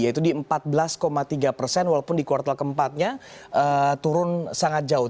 yaitu di empat belas tiga persen walaupun di kuartal keempatnya turun sangat jauh